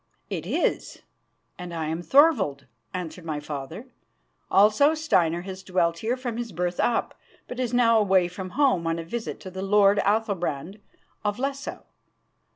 "It is, and I am Thorvald," answered my father. "Also Steinar has dwelt here from his birth up, but is now away from home on a visit to the lord Athalbrand of Lesso.